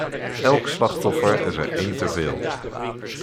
Elk slachtoffer is er één te veel.